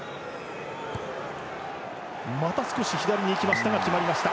また少し左にいきましたが決まりました。